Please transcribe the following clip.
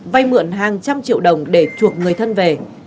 vay mượn hàng trăm triệu đồng để chuộc người thân về